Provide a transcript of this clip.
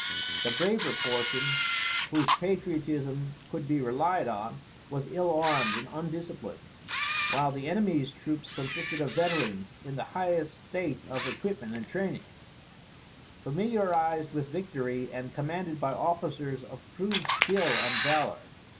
The braver portion, whose patriotism could be relied on, was ill armed and undisciplined; while the enemy's troops consisted of veterans in the highest state of equipment and training, familiarized with victory, and commanded by officers of proved skill and valour.